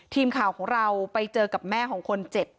ทีมข่าวของเราไปเจอกับแม่ของคนเจ็บ